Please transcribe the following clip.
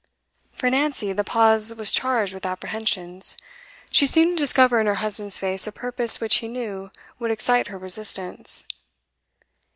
For Nancy, the pause was charged with apprehensions. She seemed to discover in her husband's face a purpose which he knew would excite her resistance.